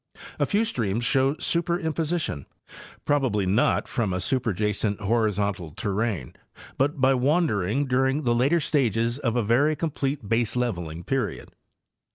A few streams show superimposition, probably not from a superjacent horizontal terrane, but by wandering during the later stages of a very complete baseleveling period.